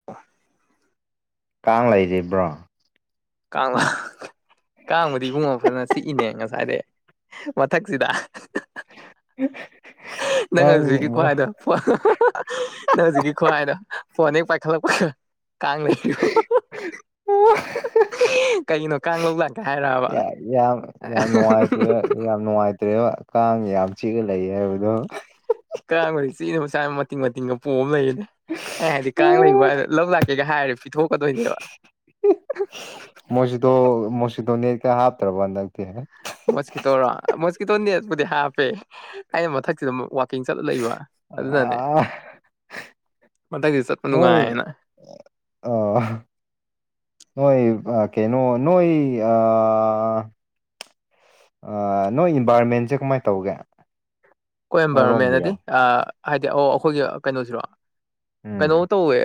[unintelligible] ꯀꯥꯡ ꯂꯩꯔꯤꯕ꯭ꯔꯣ ꯀꯥꯡ ꯀꯥꯡꯕꯨꯗꯤ ꯏꯕꯨꯡꯉꯣ ꯐꯅ ꯆꯤꯛꯏꯅꯦ ꯉꯁꯥꯏꯗꯩ ꯃꯊꯛꯁꯤꯗ [unintelligible] ꯅꯪ ꯍꯧꯖꯤꯛꯒꯤ ꯈ꯭ꯋꯥꯏꯗꯣ ꯐꯣꯟ ꯍꯥ ꯍꯥ ꯍꯥ ꯍꯥ ꯍꯥ ꯅꯪ ꯍꯧꯖꯤꯛꯀꯤ ꯈꯨꯍꯥꯏꯗꯣ ꯐꯣꯟ ꯍꯦꯛ ꯄꯥꯏꯈꯠꯂꯛꯄꯒ ꯀꯥꯡꯅꯩ [unintelligible] ꯀꯩꯒꯤꯅꯣ ꯀꯥꯡ ꯂꯧ ꯂꯥꯛ ꯌꯥ ꯌꯥꯝ ꯌꯥꯝ ꯅꯨꯡꯉꯥꯏꯇꯤꯌꯦ ꯌꯥꯝ ꯅꯨꯡꯉꯥꯏꯇ꯭ꯔꯦꯕ ꯀꯥꯡ ꯌꯥꯝ ꯆꯤꯛꯑ ꯂꯩ ꯍꯥꯏꯕꯗꯣ ꯀꯥꯡ [unintelligible] ꯆꯤꯛꯑꯦꯅ [unintelligible] ꯃꯇꯤꯡ ꯃꯇꯤꯡꯒ ꯄꯣꯝꯃ ꯂꯩꯌꯦꯅꯦ ꯑꯦ ꯍꯥꯏꯗꯤ ꯀꯥꯡ ꯂꯩꯕ [unintelligible] ꯂꯧꯕ ꯂꯥꯛ ꯀꯩꯒ ꯍꯥꯏꯔ ꯄꯤꯊꯣꯛꯀꯗꯣꯏꯅꯦꯕ ꯃꯣꯏꯁꯤꯗꯣ ꯃꯣꯏꯁꯀꯤꯗꯣ ꯅꯠꯀꯥ ꯍꯥꯞꯇ꯭ꯔꯕ ꯍꯟꯗꯛꯇꯤ ꯃꯣꯁꯀꯤꯇꯣꯔꯣ ꯃꯣꯁꯀꯤꯇꯣ ꯅꯦꯠꯄꯨꯗꯤ ꯍꯥꯞꯄꯦ ꯑꯩꯅ ꯃꯊꯛꯁꯤꯗ ꯗꯨꯝ ꯋꯥꯠ ꯀꯤꯡ ꯆꯠꯂ ꯂꯩꯏꯕ ꯑꯗꯨꯅꯅꯦ ꯑꯥ ꯃꯊꯛꯇ ꯆꯠ ꯃꯣꯏ ꯑ ꯅꯣꯏ‌ ꯀꯩꯅꯣ ꯅꯣꯏ‌ ꯑ ꯅꯣꯏ ꯏꯟꯚꯥꯏꯔꯣꯟꯃꯦꯟꯁꯦ ꯀꯃꯥꯏꯅ ꯇꯧꯒꯦ ꯅꯣꯏꯔꯣꯝꯒꯤꯗꯣ ꯀꯣꯏꯝꯕꯥꯢꯔꯝꯃꯦꯟꯅꯗꯤ ꯑꯥ ꯍꯥꯏꯗꯤ ꯑꯣ ꯑꯈꯣꯏꯒꯤ ꯀꯩꯅꯣꯁꯤꯔꯣ ꯀꯩꯅꯣ ꯎꯝ ꯇꯧꯋꯦ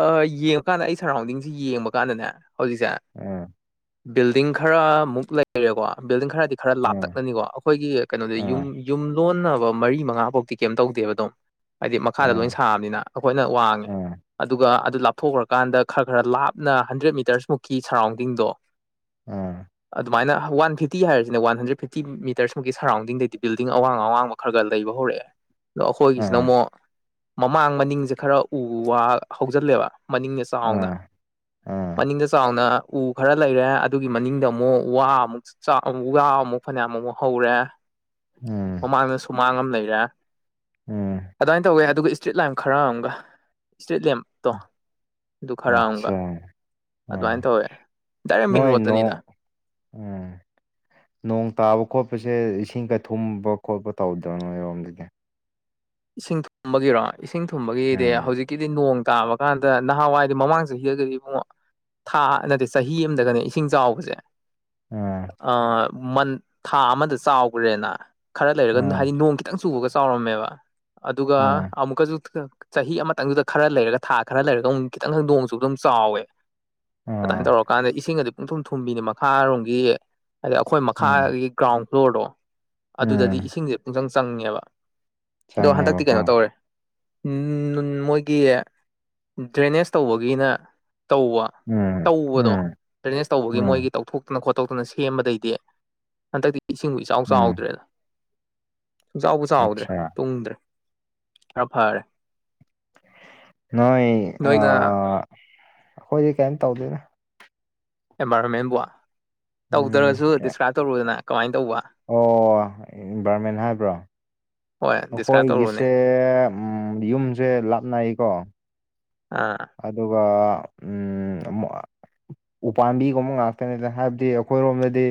ꯑꯥ ꯌꯦꯡꯕꯀꯥꯟꯗ ꯑꯩ ꯁꯔꯔꯥꯎꯟꯗꯤꯡꯖꯤ ꯌꯦꯡꯕ ꯀꯥꯟꯗꯅꯦ ꯍꯧꯖꯤꯛꯁꯦ ꯎꯝ ꯕꯤꯜꯗꯤꯡ ꯈꯔꯃꯨꯛ ꯂꯩꯔꯦꯀꯣ ꯕꯤꯜꯗꯤꯡ ꯈꯔ ꯈꯔ ꯎꯝ ꯂꯥꯞꯇꯛꯅꯅꯤꯀꯣ ꯑꯩꯈꯣꯏꯒꯤ ꯀꯩꯅꯣꯗ ꯌꯨꯝ ꯎꯝ ꯌꯨꯝ ꯂꯣꯟꯅꯕ ꯃꯔꯤ ꯃꯉꯥꯐꯧꯗꯤ‌ ꯀꯦꯝ ꯇꯧꯗꯦꯕ ꯑꯗꯨꯝ ꯍꯥꯏꯗꯤ ꯃꯈꯥꯗ ꯂꯣꯏꯟ ꯎꯝ ꯁꯥꯕꯅꯤꯅ ꯑꯩꯈꯣꯏꯅ ꯋꯥꯡꯉꯦ ꯎꯝ ꯑꯗꯨꯒ ꯑꯗꯨ ꯂꯥꯞ ꯊꯣꯛꯈ꯭ꯔꯀꯥꯟꯗ ꯈꯔ ꯈꯔ ꯂꯥꯞꯅ ꯍꯟꯗ꯭ꯔꯦꯗ ꯃꯤꯇꯔꯁ ꯃꯨꯛꯀꯤ ꯁꯔꯥꯎꯟꯗꯤꯡꯗꯣ ꯎꯝ ꯁꯨꯃꯥꯏꯅ ꯋꯥꯟ ꯐꯤꯞꯇꯤ ꯍꯥꯏꯔꯤꯁꯤꯅꯦ ꯋꯥꯟ ꯍꯟꯗ꯭ꯔꯦꯗ ꯐꯤꯞꯇꯤ ꯃꯤꯇꯔꯁ ꯃꯨꯛꯀꯤ ꯁꯔꯥꯎꯟꯡꯗꯤꯡꯗꯩ ꯕꯤꯜꯗꯤꯡ ꯑꯌꯥꯡ ꯑꯋꯥꯥꯡꯕ ꯈꯔ ꯈꯔ ꯂꯩꯕ ꯍꯧꯔꯛꯑꯦ ꯑꯗꯣ ꯎꯝ ꯑꯩꯈꯣꯏꯒꯤꯁꯤꯅ ꯑꯃꯨꯛ ꯃꯃꯥꯡ ꯃꯅꯤꯡꯁꯦ ꯈꯔ ꯎ ꯋꯥ ꯍꯧꯖꯤꯜꯂꯦꯕ ꯃꯅꯤꯡꯗ ꯆꯥꯎꯅ ꯎꯝ ꯎꯝ ꯃꯅꯤꯡꯗ ꯆꯥꯎꯅ ꯎ ꯈꯔ ꯂꯩꯔꯦ ꯑꯗꯨꯒꯤ ꯃꯅꯤꯡꯗ ꯑꯃꯨꯛ ꯋꯥ ꯑꯃꯨꯛ ꯆꯥꯛ ꯋꯥ ꯑꯃꯨꯛ ꯐꯅꯌꯥꯝ ꯑꯃꯨꯛ ꯍꯧꯔꯦ ꯎꯝ ꯃꯃꯥꯡꯗ ꯁꯨꯃꯥꯡ ꯑꯃ ꯂꯩꯔꯦ ꯎꯝ ꯑꯗꯨꯃꯥꯏꯅ ꯇꯧꯋꯦ ꯑꯗꯨꯒ ꯏꯁꯇ꯭ꯔꯤꯠ ꯂꯦꯝ ꯈꯔ ꯑꯃꯒ ꯏꯁꯇ꯭ꯔꯤꯠ ꯂꯦꯝꯞꯇꯣ ꯑꯗꯨ ꯈꯔ ꯑꯃꯒ ꯑꯠꯆꯥ ꯑꯗꯨꯃꯥꯏꯅ ꯑꯥ ꯇꯧꯋꯦ ꯗꯥꯏꯔꯦꯛ ꯃꯦꯟ ꯅꯣꯏ ꯔꯣꯗꯠꯇꯅꯤꯗ ꯅꯣꯡ ꯎꯝ ꯅꯣꯡ ꯇꯥꯕ ꯈꯣꯠꯄꯁꯦ ꯏꯁꯤꯡ ꯀ ꯊꯨꯝꯕ ꯈꯣꯠꯄ ꯇꯧꯗꯕꯅꯣ ꯅꯣꯏꯔꯣꯝꯗꯒꯤ ꯏꯁꯤꯡ ꯊꯨꯝꯕꯒꯤꯔꯣ ꯏꯁꯤꯡ ꯊꯨꯝꯕꯒꯤꯗꯤ ꯎꯝ ꯍꯧꯖꯤꯛ ꯒꯤꯗꯤ ꯅꯣꯡ ꯇꯥꯕ ꯀꯥꯟꯗ ꯅꯍꯥꯟꯋꯥꯏꯗꯤ ꯃꯃꯥꯡ ꯆꯍꯤ ꯍꯔꯒꯗꯤ ꯏꯕꯨꯡꯉꯣ ꯊꯥ ꯅꯠꯇꯦ ꯆꯍꯤ ꯑꯃꯗꯒꯅꯦ ꯏꯁꯤꯡ ꯆꯥꯎꯕꯁꯦ ꯎꯝ ꯑ ꯃꯟꯠ ꯊꯥ ꯑꯃꯗ ꯆꯥꯎꯈ꯭ꯔꯦꯅ ꯈꯔ ꯂꯩꯔꯒ ꯎꯝ ꯍꯥꯏꯗꯤ ꯅꯣꯡ ꯈꯤꯇꯪ ꯆꯨꯕꯒ ꯆꯥꯎꯔꯝꯃꯦꯕ ꯑꯗꯨꯒ ꯎꯝ ꯑꯃꯨꯛꯀꯁꯨ ꯆꯍꯤ ꯑꯃꯇꯪꯗꯨꯗ ꯈꯔ ꯂꯩꯔꯒ ꯊꯥ ꯈꯔ ꯂꯩꯔꯒ ꯑꯃꯨꯛ ꯈꯤꯇꯪꯪ ꯅꯣꯡꯁꯨꯕ ꯑꯗꯨꯗ ꯆꯥꯎꯋꯦ ꯑꯗꯨꯃꯥꯏꯅ ꯎꯝ ꯇꯧꯔꯀꯥꯟꯗ ꯏꯁꯤꯡ ꯒꯗꯤ ꯄꯨꯡꯊꯨꯝ ꯊꯨꯝꯕꯤꯅꯤ ꯃꯈꯥꯔꯣꯝꯒꯤ ꯍꯥꯏꯗꯤ ꯑꯩꯈꯣꯏ ꯎꯝ ꯃꯈꯥꯒꯤ ꯒ꯭ꯔꯥꯎꯟ ꯐ꯭ꯂꯣꯔꯗꯣ ꯑꯗꯨꯗꯗꯤ ꯎꯝ ꯏꯁꯤꯡꯁꯦ ꯄꯨꯡꯁꯪ ꯆꯪꯉꯦꯕ ꯑꯗꯣ ꯍꯟꯗꯛꯇꯤ ꯆꯪꯉꯦꯕꯀꯣ ꯀꯩꯅꯣ ꯇꯧꯔꯦ ꯃꯣꯏꯒꯤ ꯗ꯭ꯔꯦꯅꯦꯖ ꯇꯧꯕꯒꯤꯅ ꯇꯧꯕ ꯎꯝ ꯇꯧꯕꯗꯣ ꯎꯝ ꯗꯔꯦꯅꯦꯁ ꯇꯧꯕꯒꯤ ꯃꯣꯏꯒꯤ ꯎꯝ ꯇꯧꯊꯣꯛꯇꯅ ꯈꯣꯠꯇꯣꯛꯇꯅ ꯁꯦꯝꯕꯗꯩꯗꯤ ꯍꯟꯗꯛꯇꯤ ꯏꯁꯤꯡꯕꯨ ꯏꯆꯥꯎ ꯎꯝ ꯆꯥꯎꯗ꯭ꯔꯦꯅ ꯁꯨꯡ ꯆꯥꯎꯥꯕꯨ ꯆꯥꯎꯗ꯭ꯔꯦ ꯑꯠꯆꯥ ꯇꯨꯡꯗ꯭ꯔꯦ ꯈꯔ ꯐꯔꯦ ꯅꯣꯏ ꯅꯣꯏꯅ ꯑꯩꯈꯣꯏꯗꯤ ꯀꯩꯝ ꯇꯧꯗꯦꯗ ꯑꯦꯟꯚꯥꯏꯔꯣꯟꯃꯦꯟꯕꯨ ꯎꯝ ꯇꯧꯗ꯭ꯔꯁꯨ ꯗꯤꯁꯀ꯭ꯔꯥꯏꯞ ꯇꯧꯔꯨꯗꯅ ꯀꯃꯥꯏꯅ ꯇꯧꯕ ꯑꯣ ꯏꯟꯚꯥꯏꯔꯣꯟꯃꯦꯟ ꯍꯥꯏꯕ꯭ꯔꯣ ꯍꯣꯏ ꯗꯤꯁꯀ꯭ꯔꯥꯏꯞ ꯇꯧꯔꯨꯅꯦ ꯑꯩꯈꯣꯏꯒꯤꯁꯦ ꯌꯨꯝꯁꯦ ꯂꯥꯞꯅꯏꯀꯣ ꯑꯥ ꯑꯗꯨꯒ ꯎꯝ ꯑꯃꯨꯛ ꯎꯄꯥꯝꯕꯤꯒꯨꯝꯕ ꯉꯥꯛꯇꯅꯤꯗ ꯍꯥꯏꯕꯗꯤ ꯑꯩꯈꯣꯏꯔꯣꯝꯗꯗꯤ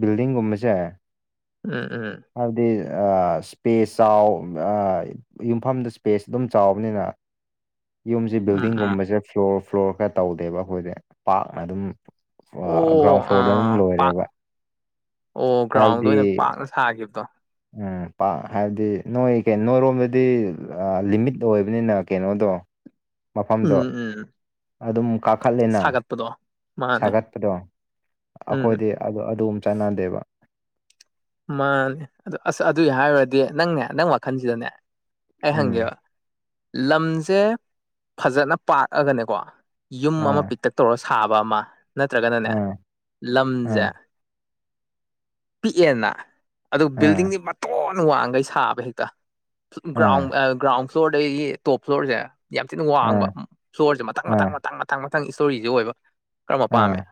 ꯕꯤꯜꯗꯤꯡꯒꯨꯝꯕꯁꯦ ꯎꯝ ꯎꯝ ꯍꯥꯏꯕꯗꯤ ꯁ꯭ꯄꯦꯁ ꯆꯥꯎ ꯑ ꯌꯨꯝꯐꯝꯗ ꯁ꯭ꯄꯦꯁ ꯑꯗꯨꯝ ꯆꯥꯎꯕꯅꯤꯅ ꯌꯨꯝꯁꯦ ꯎꯝ ꯎꯝ ꯕꯤꯜꯗꯤꯡꯒꯨꯝꯕꯁꯦ ꯐ꯭ꯂꯣꯔ ꯐ꯭ꯂꯣꯔ ꯈꯔ ꯇꯧꯗꯦꯕ ꯑꯩꯈꯣꯏꯁꯦ ꯄꯥꯛꯅ ꯑꯗꯨꯝ ꯑꯣ ꯒ꯭ꯔꯥꯎꯟ ꯐ꯭ꯂꯣꯔꯗ ꯑꯗꯨꯝ ꯑꯥ ꯄꯥꯛ ꯂꯣꯏꯔꯦꯕ ꯍꯥꯏꯕꯗꯤ ꯍꯥꯈꯤꯕꯗꯣ ꯎꯝ ꯄ ꯍꯥꯏꯕꯗꯤ ꯅꯣꯏ ꯅꯣꯏꯔꯣꯝꯗꯗꯤ ꯂꯤꯃꯤꯠ ꯑꯣꯏꯕꯅꯤꯅ ꯀꯩꯅꯣꯗꯣ ꯃꯐꯝꯗꯣ ꯎꯝ ꯎꯝ ꯑꯗꯨꯝ ꯀꯥꯈꯠꯂꯦꯅ ꯁꯥꯒꯠꯄꯗꯣ ꯃꯥꯅꯦ ꯁꯥꯒꯠꯄꯗꯣ ꯎꯝ ꯑꯩꯈꯣꯏꯗꯤ ꯑꯗꯨ ꯑꯗꯨꯝ ꯆꯠꯅꯗꯦꯕ ꯃꯥꯅꯦ ꯑꯗꯨ ꯑꯁ ꯑꯗꯨꯒꯤ ꯍꯥꯏꯔꯨꯔꯗꯤ ꯅꯪꯅꯦ ꯅꯪ ꯋꯥꯈꯜꯁꯤꯗꯅꯦ ꯑꯩ ꯎꯝ ꯍꯪꯒꯦꯕ ꯂꯝꯁꯦ ꯐꯖꯅ ꯄꯥꯛꯑꯒꯅꯦꯀꯣ ꯌꯨꯝ ꯑꯃ ꯑꯥ ꯄꯤꯛꯇꯛ ꯇꯧꯔꯁ ꯂꯥꯕ ꯑꯃ ꯅꯠꯇ꯭ꯔꯒꯅꯅꯦ ꯑꯥ ꯑꯥ ꯂꯝꯁꯦ ꯄꯤꯛꯑꯦꯅ ꯑꯗꯨ ꯑꯥ ꯕꯤꯜꯗꯤꯡꯗꯤ ꯃꯇꯣꯟ ꯋꯥꯡꯈꯩ ꯁꯥꯕ ꯍꯦꯛꯇ ꯒ꯭ꯔꯥꯎꯟ ꯑꯥ ꯒ꯭ꯔꯥꯎꯟ ꯐ꯭ꯂꯣꯔꯗꯒꯤ ꯇꯣꯞ ꯐ꯭ꯂꯣꯔꯁꯦ ꯌꯥꯝ ꯊꯤꯅ ꯑꯥ ꯋꯥꯡꯕ ꯏꯁꯇꯣꯔꯁꯦ ꯃꯊꯪ ꯑꯥ ꯃꯊꯪ ꯃꯊꯪ ꯃꯊꯪ ꯃꯊꯪ ꯏꯁꯇꯣꯔꯤꯁꯦ ꯑꯣꯏꯕ ꯀꯔꯝꯕ ꯄꯥꯝꯃꯦ ꯑꯥ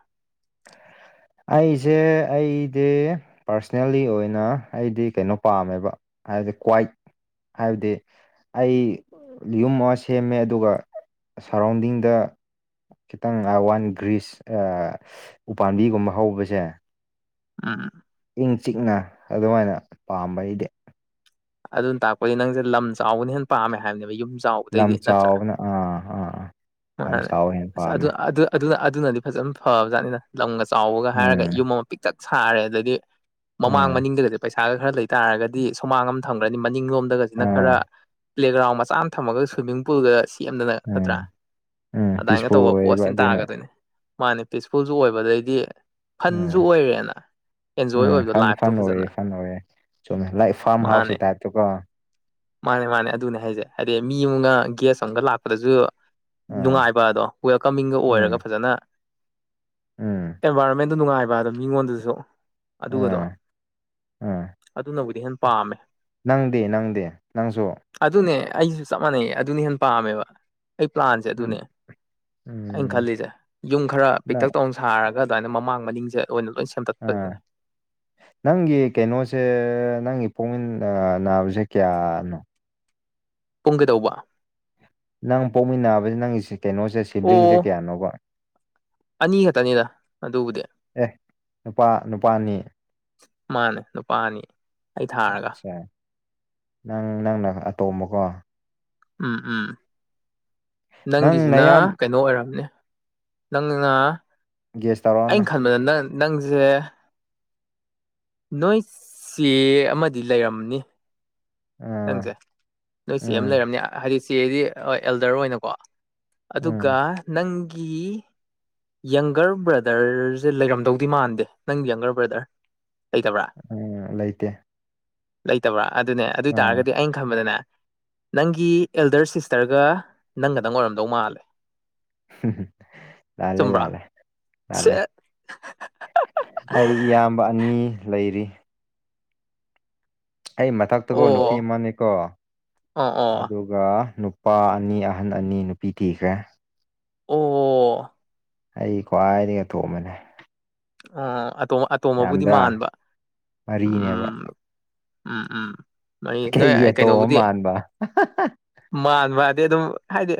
ꯑꯩꯁꯦ ꯑꯩꯗꯤ ꯄꯥꯔꯁꯅꯦꯜꯂꯤ ꯑꯣꯏꯅ ꯑꯩꯗꯤ ꯀꯩꯅꯣ ꯄꯥꯝꯃꯦꯕ ꯍꯥꯏꯕꯗꯤ ꯀ꯭ꯋꯥꯏ ꯍꯥꯏꯕꯗꯤ ꯑꯩ ꯌꯨꯝ ꯑꯃ ꯁꯦꯝꯃꯦ ꯑꯗꯨꯒ ꯁꯔꯥꯎꯟꯗꯤꯡꯗ ꯈꯤꯇꯪ ꯋꯥꯟ ꯒ꯭ꯔꯤꯁ ꯎꯄꯥꯝꯕꯤꯒꯨꯝꯕ ꯍꯧꯕꯁꯦ ꯑꯥ ꯏꯪ ꯆꯤꯛꯅ ꯑꯗꯨꯃꯥꯏꯅ ꯄꯥꯝꯕꯩꯗꯤ ꯑꯗꯨꯅ ꯇꯥꯛꯄꯗꯤ ꯅꯪꯁꯦ ꯂꯝ ꯆꯥꯎꯕꯅ ꯍꯦꯟꯅ ꯄꯥꯝꯃꯦ ꯍꯥꯏꯕꯅꯦꯕ ꯌꯨꯝ ꯂꯝ ꯆꯥꯎꯕꯗꯩꯗꯤ ꯅꯠꯇ꯭ꯔꯥ ꯆꯥꯎꯕꯅ ꯑꯥ ꯑꯥ ꯌꯥꯝ ꯃꯥꯅꯦ ꯆꯥꯎꯋꯦ ꯍꯦꯟꯅ ꯑꯗꯨ ꯄꯥꯝꯃꯦ ꯑꯗꯨ ꯑꯗꯨꯅ ꯑꯗꯨꯅꯗꯤ ꯐꯖꯅ ꯐꯕꯖꯥꯠꯅꯤꯗ ꯂꯝꯒ ꯆꯥꯎꯕꯒ ꯍꯥꯏꯔꯒ ꯎꯝ ꯌꯨꯝ ꯑꯃ ꯄꯤꯛꯇꯛ ꯁꯥꯔꯦ ꯑꯗꯒꯤ ꯃꯃꯥꯡ ꯎꯝ ꯃꯅꯤꯡꯗꯒꯗꯤ ꯄꯩꯁꯥꯒ ꯈꯔ ꯂꯩ ꯇꯥꯔꯒꯗꯤ ꯁꯨꯃꯥꯡ ꯑꯝ ꯊꯝꯈ꯭ꯔꯅꯤ ꯃꯅꯤꯡꯂꯣꯝꯗꯒꯁꯤꯅ ꯈꯔ ꯑꯥ ꯄ꯭ꯂꯦꯒ꯭ꯔꯥꯎꯟ ꯃꯆꯥ ꯑꯃ ꯊꯝꯃꯒ ꯁ꯭ꯋꯤꯝꯃꯤꯡ ꯄꯨꯜꯒ ꯁꯦꯝꯗꯅ ꯅꯠꯇ꯭ꯔꯥ ꯎꯝ ꯎꯝ ꯑꯗꯨꯃꯥꯏꯟꯒ ꯄꯤꯁꯐꯨꯜ ꯇꯧꯕ ꯑꯣꯏꯌꯦꯕ ꯄꯣꯁꯀꯁꯤ ꯑꯗꯨꯅ ꯇꯥꯒꯗꯣꯏꯅꯤ ꯃꯥꯅꯦ ꯄꯤꯁꯐꯨꯜꯁꯨ ꯑꯣꯏꯕ ꯑꯗꯩꯗꯤ ꯎꯝ ꯐꯟꯁꯨ ꯑꯣꯏꯔꯦꯅ ꯑꯦꯟꯖꯣꯏ ꯎꯝ ꯑꯣꯏꯕꯗꯣ ꯐꯟ ꯂꯥꯏꯐꯇꯣ ꯐꯟ ꯐꯖꯅ [unintelligible] ꯆꯨꯝꯃꯦ ꯂꯥꯏ ꯐꯥꯝ ꯍꯥꯎꯁꯀꯤ ꯃꯥꯅꯦ ꯇꯥꯏꯞꯇꯀꯣ ꯃꯥꯅꯦ ꯃꯥꯅꯦ ꯑꯗꯨꯅꯦ ꯍꯥꯏꯁꯦ ꯍꯥꯏꯗꯤ ꯃꯤ ꯑꯃꯛꯒ ꯒꯦꯁ ꯑꯝꯒ ꯂꯥꯛꯄꯗꯁꯨ ꯅꯨꯡꯉꯥꯏꯕꯗꯣ ꯋꯦꯜꯀꯝꯃꯤꯡꯒ ꯑꯣꯏꯔꯒ ꯎꯝ ꯐꯖꯅ ꯎꯝ ꯑꯦꯟꯚꯥꯏꯔꯣꯟꯃꯦꯟꯗꯨ ꯅꯨꯡꯉꯥꯏꯕ ꯑꯗꯣ ꯃꯤꯉꯣꯟꯗꯁꯨ ꯑꯗꯨꯒꯗꯣ ꯎꯝ ꯎꯝ ꯑꯗꯨꯅꯕꯨꯗꯤ ꯍꯦꯟ ꯄꯥꯝꯃꯦ ꯅꯪꯗꯤ ꯅꯪꯗꯤ ꯅꯪꯁꯨ ꯑꯗꯨꯅꯦ ꯑꯩꯁꯨ ꯆꯞ ꯃꯥꯟꯅꯩꯌꯦ ꯑꯗꯨꯅ ꯍꯦꯟꯅ ꯄꯥꯝꯃꯦꯕ ꯑꯩ ꯄ꯭ꯂꯥꯟꯁꯦ ꯎꯝ ꯑꯗꯨꯅꯦ ꯑꯩꯅ ꯎꯝ ꯈꯜꯂꯤꯁꯦ ꯌꯨꯝ ꯈꯔ ꯅꯪ ꯄꯤꯛꯇꯛ ꯇꯧ ꯁꯥꯔꯒ ꯑꯗꯨꯃꯥꯏꯅ ꯃꯃꯥꯡ ꯃꯅꯤꯡꯁꯦ ꯑꯣꯏꯅ ꯂꯣꯏ ꯑꯥ ꯁꯦꯝꯗꯠꯄꯁꯤꯅꯦ ꯅꯪꯒꯤ ꯀꯩꯅꯣꯁꯦ ꯅꯪꯒꯤ ꯄꯣꯛꯃꯤꯟ ꯅꯥꯕꯁꯦ ꯀꯌꯥꯅꯣ ꯄꯨꯡ ꯀꯩꯗꯧꯕ ꯅꯪ ꯄꯣꯛꯃꯤꯟꯅꯕꯁꯤ ꯅꯪ ꯀꯩꯅꯣꯁꯦ ꯁꯤꯕ꯭ꯂꯤꯡꯁꯦ ꯑꯣ ꯀꯌꯥꯅꯣꯕ ꯑꯅꯤ ꯈꯛꯇꯅꯤꯗ ꯑꯗꯨꯕꯨꯗꯤ ꯑꯦ ꯅꯨꯄꯥ ꯅꯨꯄꯥ ꯑꯅꯤ ꯃꯥꯅꯦ ꯅꯨꯄꯥꯅꯤ ꯑꯠꯆꯥ ꯅꯪ ꯅꯪꯅ ꯑꯇꯣꯝꯕꯀꯣ ꯎꯝ ꯎꯝ ꯅꯪ ꯅꯪꯒꯤꯁꯤꯅ ꯅꯌꯥꯝ ꯀꯩꯅꯣ ꯑꯣꯏꯔꯝꯅꯤ ꯅꯪꯅ ꯒꯦꯁ ꯇꯧꯔꯛꯑꯣꯅꯦ ꯑꯩꯅ ꯈꯟꯕꯗ ꯅꯪ ꯅꯪꯁꯦ ꯅꯣꯏ ꯆꯦ ꯑꯃꯗꯤ ꯂꯩꯔꯝꯅꯤ ꯑꯥ ꯅꯪꯁꯦ ꯅꯣꯏ ꯆꯦ ꯑꯃ ꯎꯝ ꯂꯩꯔꯝꯅꯦ ꯍꯥꯏꯗꯤ ꯆꯦꯗꯤ ꯑꯦꯜꯗꯔ ꯑꯣꯏꯅꯀꯣ ꯎꯝ ꯑꯗꯨꯒ ꯅꯪꯒꯤ ꯌꯪꯒꯔ ꯕ꯭ꯔꯗꯔꯁꯦ ꯂꯩꯔꯝꯗꯧꯗꯤ ꯃꯥꯟꯗꯦ ꯅꯪ ꯌꯪꯒꯔ ꯕ꯭ꯔꯗꯔ ꯂꯩꯇꯕ꯭ꯔꯥ ꯎꯝ ꯂꯩꯇꯦ ꯂꯩꯇꯕ꯭ꯔꯥ ꯑꯗꯨꯅꯦ ꯑꯗꯨ ꯑꯣꯏ ꯑꯥ ꯇꯥꯔꯒꯗꯤ ꯑꯩꯅ ꯈꯟꯕꯗꯅꯦ ꯅꯪꯒꯤ ꯑꯦꯜꯗꯔ ꯁꯤꯁꯇꯔꯒ ꯅꯪꯒꯗꯪ ꯑꯣꯏꯔꯝꯗꯧ ꯃꯥꯜꯂꯦ ꯂꯥꯜꯂꯦ ꯆꯨꯝꯕ꯭ꯔꯥ ꯂꯥꯜꯂꯦ ꯂꯥꯜꯂꯦ ꯁꯦ [unintelligible] ꯑꯩ ꯏꯌꯥꯝꯕ ꯑꯅꯤ ꯂꯩꯔꯤ ꯑꯩ ꯃꯊꯛꯇꯀꯣ ꯑꯣ ꯅꯨꯄꯤ ꯑꯃꯅꯦꯀꯣ ꯑꯗꯨ ꯑꯣ ꯑꯣ ꯑꯗꯨꯒ ꯅꯨꯄꯥ ꯑꯅꯤ ꯑꯍꯟ ꯑꯅꯤ ꯅꯨꯄꯤ ꯊꯤꯈ꯭ꯔꯦ ꯑꯣ ꯑꯩ ꯈ꯭ꯋꯥꯏꯗꯒꯤ ꯑꯇꯣꯝꯕꯅꯦ ꯑꯣ ꯑꯇꯣꯝ ꯑꯇꯣꯝꯕꯕꯨꯗꯤ ꯌꯥꯝꯗ꯭ꯔꯥ ꯃꯥꯟꯕ ꯃꯔꯤꯅꯦꯕ ꯎꯝ ꯎꯝ ꯎꯝ ꯅꯣꯏ ꯀꯩꯒꯤ ꯅꯣꯏ ꯑꯇꯣꯝ ꯀꯩꯅꯣꯕꯨꯗꯤ ꯃꯟꯕ ꯃꯥꯟꯕꯗꯤ ꯑꯗꯨꯝ ꯍꯥꯏꯗꯤ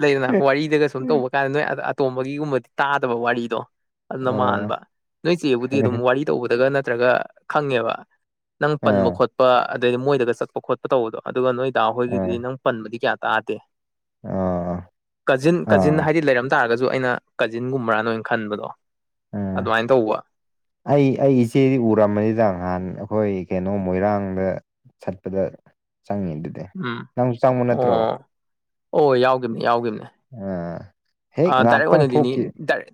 ꯂꯩꯗꯅ ꯋꯥꯔꯤꯗꯒ ꯁꯨꯝ ꯇꯧꯕ ꯀꯥꯟꯗ ꯅꯣꯏ [unintelligible] ꯇꯣꯝꯕꯒꯤꯒꯨꯝꯕꯗꯤ ꯇꯥꯗꯕ ꯋꯥꯔꯤꯗꯣ ꯑꯗꯨꯅ ꯑꯥ ꯃꯥꯟꯕ ꯅꯣꯏ ꯆꯦꯕꯨꯗꯤ ꯑꯗꯨꯝ ꯋꯥꯔꯤ ꯇꯧꯕꯗꯒ ꯅꯠꯇ꯭ꯔꯒ ꯈꯪꯉꯦꯕ ꯅꯪ ꯄꯟꯕ ꯑꯥ ꯈꯣꯠꯄ ꯑꯗꯩꯗꯤ ꯃꯣꯏꯗꯒ ꯆꯠꯄ ꯈꯣꯠ ꯇꯧꯕꯗꯣ ꯑꯗꯨꯒ ꯅꯣꯏꯗ ꯑꯥ ꯍꯣꯏꯒꯤꯗꯤ ꯅꯪ ꯄꯟꯕꯗꯤ ꯀꯌꯥ ꯇꯥꯗꯦ ꯑꯥ ꯀꯖꯤꯟ ꯀꯖꯤꯟ ꯑꯥ ꯍꯥꯏꯗꯤ ꯂꯩꯔꯝ ꯇꯥꯔꯒꯁꯨ ꯑꯩꯅ ꯀꯖꯤꯟꯒꯨꯝꯕ꯭ꯔꯅ ꯈꯟꯕꯗꯣ ꯎꯝ ꯑꯗꯨꯃꯥꯏꯅ ꯇꯧꯕ ꯑꯩ ꯑꯩ ꯏꯆꯦꯗꯤ ꯎꯔꯝꯃꯅꯤꯗ ꯉꯥꯍꯟ ꯑꯩꯈꯣꯏ ꯀꯩꯅꯣ ꯃꯣꯏꯔꯥꯡꯗ ꯆꯠꯄꯗ ꯆꯪꯉꯦ ꯗꯨ ꯎꯝ ꯑꯣ ꯑꯣ ꯌꯥꯎꯈꯤꯝꯅꯦ ꯌꯥꯎꯈꯤꯝꯅꯦ [unintelligible] ꯑꯥ ꯗꯥꯏꯔꯦꯛ ꯉꯥꯏꯍꯥꯛꯇꯪ ꯑꯣꯏꯅꯗꯤꯅꯤ ꯊꯣꯛꯈꯤ ꯗꯥꯏꯔꯦꯛ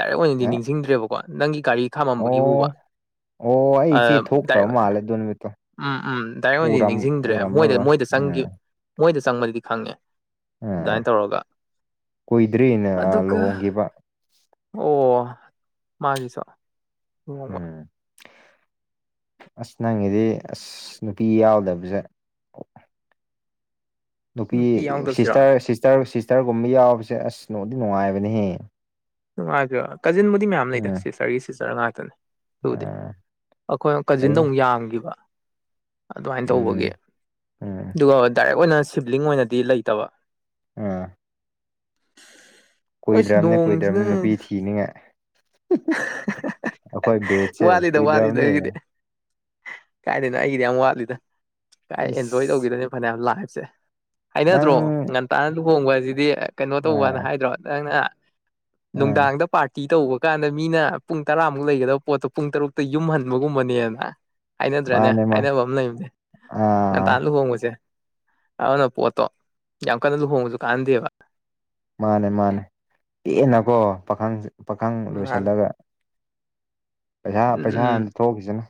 ꯗꯥꯏꯔꯦꯛ ꯑꯣꯏꯅꯗꯤ ꯅꯤꯡꯁꯤꯡꯗ꯭ꯔꯦꯕꯀꯣ ꯅꯪꯒꯤ ꯒꯥꯔꯤ ꯑꯣ ꯈꯥꯝꯃꯝꯕꯒꯤꯕꯨꯕ ꯑꯣ ꯑ ꯑꯩꯆꯦ ꯊꯣꯛꯇꯕ ꯗꯥꯏꯔꯦꯛ ꯃꯥꯜꯂꯦ ꯗꯣ ꯅꯨꯃꯤꯠꯇꯣ ꯎꯝ ꯎꯝ ꯗꯥꯏꯔꯦꯛ ꯑꯣꯏꯟꯗꯤ ꯎꯔꯝ ꯅꯤꯡꯁꯤꯡꯗ꯭ꯔꯦ ꯃꯣꯏꯗ ꯎꯔꯝꯃꯔꯣꯏ ꯃꯣꯏꯗ ꯆꯪꯈꯤꯕ ꯎꯝ ꯃꯣꯏꯗ ꯆꯪꯕꯗꯨꯗꯤ ꯈꯪꯉꯦ ꯗꯥꯏꯟ ꯎꯝ ꯇꯧꯔꯒ ꯀꯨꯏꯗ꯭ꯔꯤꯅ ꯑꯗꯨꯒ ꯂꯨꯍꯣꯡꯈꯤꯕ ꯑꯣ ꯃꯥꯒꯤꯁꯨꯣ [unintelligible] ꯎꯝ ꯑꯁ ꯅꯪꯒꯤꯗꯤ ꯑꯁ ꯅꯨꯄꯤ ꯌꯥꯎꯗꯕꯁꯦ ꯅꯨꯄꯤ ꯁꯤꯁꯇꯔ ꯁꯤꯁꯇꯔ ꯁꯤꯁꯇꯔꯒꯨꯝꯕ ꯌꯥꯎꯕꯁꯦ ꯑꯁ ꯅꯗꯤ ꯅꯨꯡꯉꯥꯏꯕꯅꯦꯍꯦ ꯅꯨꯡꯉꯥꯏꯇ ꯀꯥꯖꯤꯟꯕꯨꯗꯤ ꯃꯌꯥꯝ ꯂꯩꯗ ꯎꯝ ꯁꯤꯁꯇꯔꯒꯤ ꯁꯤꯁꯇꯔ ꯉꯥꯛꯇꯅꯦ ꯗꯨꯗꯤ ꯑꯥ ꯑꯩꯈꯣꯏ ꯀꯥꯖꯤꯟꯗ ꯐꯩ ꯃꯨꯛ ꯌꯥꯝꯈꯤꯕ ꯑꯗꯨꯃꯥꯏꯅ ꯎꯝ ꯇꯧꯕꯒꯤ ꯎꯝ ꯑꯗꯨꯒ ꯗꯥꯏꯔꯦꯛ ꯑꯣꯏꯅ ꯁꯤꯕ꯭ꯂꯤꯡ ꯑꯣꯏꯅꯗꯤ ꯂꯩꯇꯕ ꯎꯝ [unintelligible] ꯀꯨꯏ ꯗꯔ꯭ꯕꯅꯦ ꯀꯨꯏꯗ [unintelligible] ꯅꯣꯡꯁꯤꯅ ꯅꯨꯄꯤ ꯊꯤꯅꯤꯉꯥꯏ ꯑꯩꯈꯣꯏ ꯕꯦꯠꯁꯦ ꯀꯨꯏꯗ꯭ꯔꯕꯅꯦ ꯀꯥꯏꯗꯅꯣ ꯑꯩꯒꯤꯗꯤ ꯌꯥꯝ ꯋꯥꯠꯂꯤꯗ ꯀꯥꯏ ꯑꯦꯟꯖꯣꯏ ꯏꯁ ꯇꯧꯈꯤꯗꯣꯏꯅꯦ ꯐꯅꯌꯥꯝ ꯂꯥꯏꯐꯁꯦ ꯍꯥꯏꯅꯗ꯭ꯔꯣ ꯅꯪ ꯉꯟꯇꯥꯅ ꯂꯨꯍꯣꯡꯕ ꯍꯥꯏꯁꯤꯗꯤ ꯀꯩꯅꯣ ꯇꯧꯕꯅ ꯑꯥ ꯍꯥꯏꯗ꯭ꯔꯣ ꯅꯪꯅ ꯑꯥ ꯅꯨꯡꯗꯥꯡꯗ ꯄꯥꯔꯇꯤ ꯇꯧꯕ ꯀꯥꯟꯗ ꯃꯤꯅ ꯄꯨꯡ ꯇꯔꯥꯃꯨꯛ ꯂꯩꯒꯗꯕ ꯄꯣꯠꯇꯣ ꯄꯨꯡ ꯇꯔꯨꯛꯇ ꯌꯨꯝꯍꯟꯕꯒꯨꯝꯕꯅꯦꯅ ꯍꯥꯏꯅꯗ꯭ꯔꯅꯦ ꯃꯥꯅꯦ ꯃꯥ ꯍꯥꯏꯅꯕ ꯑꯃ ꯂꯩꯕꯅꯦ ꯑꯥ ꯉꯟꯇꯥ ꯂꯨꯍꯣꯡꯕꯁꯦ ꯑꯃꯅ ꯄꯣꯠꯇꯣ ꯌꯥꯝ ꯀꯟꯅ ꯂꯨꯍꯣꯡꯕꯁꯨ ꯀꯥꯟꯅꯗꯦꯕ ꯃꯥꯅꯦ ꯃꯥꯅꯦ ꯄꯦꯟꯅꯀꯣ ꯄꯥꯈꯪ ꯄꯥꯈꯪ ꯃꯥꯅꯦ ꯂꯣꯏꯁꯤꯜꯂꯒ ꯄꯩꯁꯥ ꯎꯝ ꯄꯩꯁꯥ ꯎꯝ ꯍꯟ ꯊꯣꯛꯈꯤꯁꯅꯨ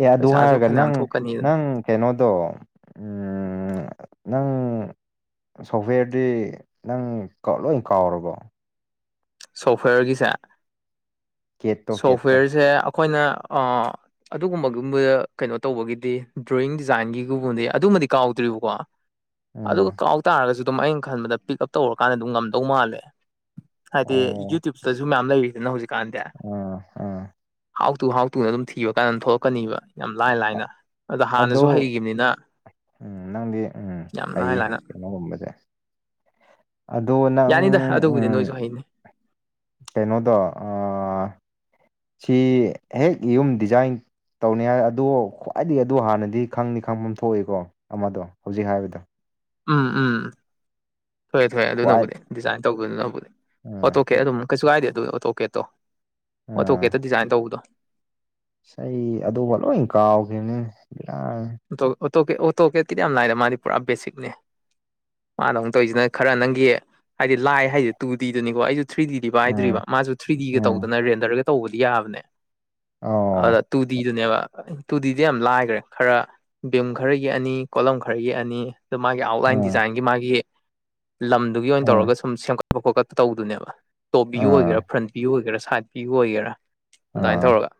ꯑꯦ ꯑꯗꯨ ꯄꯩꯁꯥꯁꯨ ꯍꯥꯏꯔꯒ ꯐꯅꯌꯥꯝ ꯅꯪ ꯊꯣꯛꯀꯅꯤꯗꯅ ꯅꯪ ꯍꯟ ꯀꯩꯅꯣꯗꯣ ꯎꯝ ꯅꯪ ꯁꯣꯐꯋꯦꯔꯗꯤ ꯅꯪ ꯀꯣ ꯂꯣꯏ ꯀꯥꯎꯔꯕꯣ ꯁꯣꯐꯋꯦꯌꯔꯒꯤꯁꯦ ꯀꯦꯠꯇꯣ ꯀꯦꯠꯇꯣ ꯁꯣꯐꯋꯦꯔꯁꯦ ꯑꯩꯈꯣꯏꯅ ꯑꯥ ꯑꯗꯨꯒꯨꯝꯕꯒꯨꯝꯕ ꯀꯩꯅꯣ ꯇꯧꯕꯒꯤꯗꯤ ꯗ꯭ꯔꯣꯋꯤꯡ ꯗꯤꯖꯥꯏꯟꯒꯤꯒꯨꯝꯕꯗꯤ ꯑꯗꯨꯃꯗꯤ ꯀꯥꯎꯗ꯭ꯔꯤꯕꯀꯣ ꯎꯝ ꯑꯗꯨꯒ ꯀꯥꯎ ꯇꯥꯔꯁꯨ ꯑꯗꯨꯝ ꯑꯩꯅ ꯈꯟꯕꯗ ꯄꯤꯛ ꯎꯞ ꯇꯧꯔꯀꯥꯟꯗ ꯗꯨꯝ ꯉꯝꯗꯧ ꯃꯥꯜꯂꯦ ꯍꯥꯏꯗꯤ ꯑꯣ ꯌꯨꯇ꯭ꯌꯨꯕꯇꯁꯨ ꯃꯌꯥꯝ ꯂꯩꯔꯤꯗꯅ ꯍꯧꯖꯤꯛꯀꯥꯟꯁꯦ ꯑꯥ ꯑꯥ ꯍꯥꯎ ꯇꯨ ꯍꯥꯎ ꯇꯨꯅ ꯑꯗꯨꯝ ꯊꯤꯕ ꯀꯥꯟ ꯊꯣꯛꯂꯛꯀꯅꯤꯕ ꯌꯥꯝ ꯂꯥꯏ ꯂꯥꯏꯅ ꯑꯗ ꯑꯗꯣ ꯍꯥꯟꯅꯁꯨ ꯍꯩꯈꯤꯕꯅꯤꯅ ꯎꯝ ꯅꯪꯗꯤ ꯎꯝ ꯌꯥꯝ ꯂꯥꯏ ꯍꯩꯌꯦ ꯂꯥꯏꯅ ꯀꯩꯅꯣꯒꯨꯝꯕꯗ ꯑꯗꯣ ꯅꯪ ꯌꯥꯅꯤꯗ ꯑꯗꯨꯕꯨꯗꯤ ꯅꯣꯏꯁꯨ ꯍꯩꯅꯤ ꯀꯩꯅꯣꯗꯣ ꯁꯤ ꯍꯦꯛ ꯌꯨꯝ ꯗꯤꯖꯥꯏꯟ ꯇꯧꯅꯤ ꯍꯥꯏ ꯑꯗꯣ ꯈ꯭ꯋꯥꯏꯗꯒꯤ ꯑꯗꯨ ꯍꯥꯟꯅꯗꯤ ꯈꯪꯗꯤ ꯈꯪꯐꯝ ꯊꯣꯛꯏꯀꯣ ꯑꯃꯗꯣ ꯍꯧꯖꯤꯛ ꯍꯥꯏꯕꯗꯣ ꯎꯝ ꯎꯝ ꯊꯣꯛꯑꯦ ꯊꯣꯛꯑꯦ ꯈ꯭ꯋꯥꯏ ꯑꯗꯨꯅꯕꯨꯗꯤ ꯗꯤꯖꯥꯏꯟ ꯇꯧꯕꯗꯧꯅꯗꯤ ꯑꯣ ꯑꯥ ꯇꯣꯛꯀꯦ ꯑꯗꯨꯝ ꯀꯩꯁꯨ ꯀꯥꯏꯗꯦ ꯑꯗꯨ ꯑꯣꯇꯣꯀꯦꯠꯇꯣ ꯑꯥ ꯑꯣꯇꯣꯀꯦꯠꯇ ꯗꯤꯖꯥꯏꯟ ꯇꯧꯕꯗꯣ ꯑꯩ ꯑꯗꯨꯒ ꯂꯣꯏ ꯀꯥꯎꯈ꯭ꯔꯤꯅꯤꯅꯦ ꯕꯦꯔꯥꯅꯤ ꯇꯣ ꯑꯣꯇꯣ ꯀꯤꯠꯗꯤ ꯌꯥꯝ ꯂꯥꯢ ꯃꯥꯗꯤ ꯄꯨꯔꯥ ꯕꯦꯁꯤꯛꯅꯦ ꯃꯥꯅ ꯑꯃꯨꯛ ꯇꯧꯔꯤꯁꯤꯅ ꯈꯔ ꯅꯪꯒꯤ ꯍꯥꯏꯗꯤ ꯂꯥꯏ ꯍꯥꯏꯁꯤ ꯇꯨꯗꯤꯗꯅꯤꯀꯣ ꯑꯩꯁꯨ ꯊ꯭ꯔꯤ ꯗꯤ ꯄꯥꯏꯗ꯭ꯔꯤꯕ ꯑꯥ ꯃꯥꯁꯨ ꯊ꯭ꯔꯤ ꯗꯤꯒ ꯑꯥ ꯇꯧꯗꯅ ꯔꯦꯟꯗꯔꯒ ꯇꯧꯕꯗꯤ ꯌꯥꯕꯅꯦ ꯑꯣ ꯑꯗꯨꯗ ꯇꯨ ꯗꯤꯗꯨꯅꯦꯕ ꯇꯨ ꯗꯤ ꯌꯥꯝ ꯂꯥꯏꯈ꯭ꯔꯦ ꯈꯔ ꯚꯤꯝ ꯈꯔꯒꯤ ꯑꯅꯤ ꯀꯣꯂꯝ ꯈꯔꯒꯤ ꯑꯅꯤ ꯑ ꯃꯥꯒꯤ ꯑꯥꯎꯠꯂꯥꯏꯟ ꯑꯥ ꯗꯤꯖꯥꯏꯟꯒꯤ ꯃꯥꯒꯤ ꯂꯝꯗꯨꯒꯤ ꯑꯣꯏꯅ ꯑꯥ ꯇꯧꯔꯒ ꯁꯨꯝ ꯁꯦꯝꯒꯠꯄ ꯈꯣꯠꯀꯠꯄ ꯇꯧꯕꯗꯨꯅꯦꯕ ꯇꯣꯞ ꯚꯌꯨ ꯑꯥ ꯑꯣꯏꯒꯦꯔꯥ ꯐ꯭ꯔꯟ ꯚꯌꯨꯒꯦꯔ ꯁꯥꯏꯠ ꯚꯌꯨ ꯑꯣꯏꯒꯦꯔꯥ ꯑꯗꯨꯃꯥꯏꯅ ꯑꯥ ꯇꯧꯔꯒ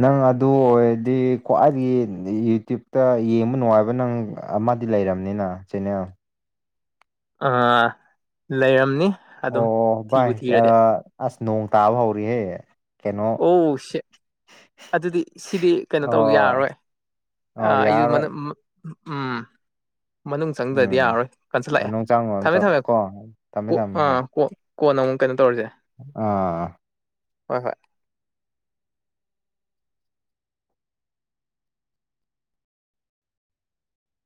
ꯅꯪ ꯑꯗꯨ ꯑꯣꯏꯔꯗꯤ ꯈ꯭ꯋꯥꯏꯗꯒꯤ ꯌꯨꯇ꯭ꯌꯨꯕꯇ ꯌꯦꯡꯕ ꯅꯨꯡꯉꯥꯏꯕ ꯅꯪ ꯑꯃꯗꯤ ꯂꯩꯔꯕꯅꯤꯅ ꯆꯦꯅꯦꯜ ꯑꯥ ꯂꯩꯔꯝꯅꯤ ꯑꯗꯨꯝ ꯑꯣ ꯊꯤꯕꯨ ꯚꯥꯏ ꯊꯤꯔꯗꯤ ꯑꯁ ꯅꯣꯡ ꯇꯥꯕ ꯍꯧꯔꯛꯑꯦ ꯑꯣ ꯁꯦꯠ ꯑꯗꯨꯗꯤ ꯁꯤꯗꯤ ꯀꯩꯅꯣ ꯇꯧꯕ ꯑꯣ ꯌꯥꯔꯔꯣꯏ ꯑꯣ ꯑꯩꯁꯨ ꯌꯥꯔꯔꯣꯏ ꯑꯝ ꯃꯅꯨꯡ ꯆꯪꯗ꯭ꯔꯗꯤ ꯎꯝ ꯌꯥꯔꯔꯣꯏ ꯀꯟꯁꯤꯜꯂꯛꯑꯦ ꯃꯅꯨꯡ ꯆꯪꯉꯣ ꯊꯝꯃꯦ ꯑꯝꯇ ꯊꯝꯃꯦ ꯀꯣ ꯊꯝꯃꯦ ꯀ ꯊꯝꯃꯦ ꯑꯥ ꯍꯣꯏ ꯀꯣꯛ ꯀꯣꯟꯅ ꯑꯃꯨꯛ ꯀꯩꯅꯣ ꯇꯧꯔꯁꯦ ꯑꯥ ꯍꯣꯏ ꯍꯣꯏ